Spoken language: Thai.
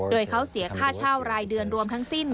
โดยเขาเสียค่าเช่ารายเดือนรวมทั้งสิ้น